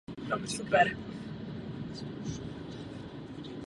Stejně jako ostatní Irsko byla i tato oblast obývána od starověku Kelty.